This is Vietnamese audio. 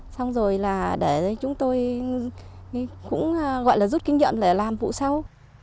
xong rồi là để chúng tôi cũng gọi là rút kinh nghiệm để làm vụ sau